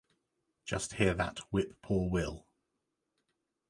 Just hear that whip-poor-will.